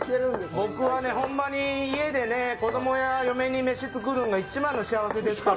僕は家でね、子どもや嫁に飯作るんが一番の幸せですから。